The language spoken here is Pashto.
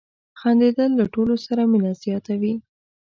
• خندېدل له ټولو سره مینه زیاتوي.